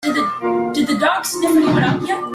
Did the dog sniff anyone out yet?